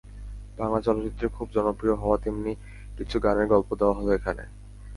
বাংলা চলচ্চিত্রে খুব জনপ্রিয় হওয়া তেমনি কিছু গানের গল্প দেওয়া হলো এখানে।